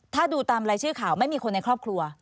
ถ้าดูตามรายชื่อข่าวไม่มีคนในครอบครัว